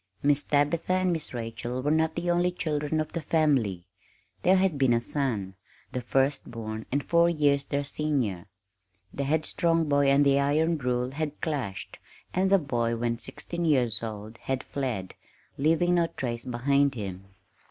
Miss Tabitha and Miss Rachel were not the only children of the family. There had been a son the first born, and four years their senior. The headstrong boy and the iron rule had clashed, and the boy, when sixteen years old, had fled, leaving no trace behind him.